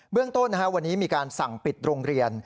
เรื่องต้นวันนี้มีการสั่งปิดโรงเรียน